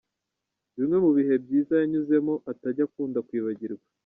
Bimwe mu bihe byiza yanyuzemo atajya akunda kwibagirwa.